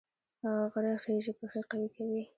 غره خیژي پښې قوي کوي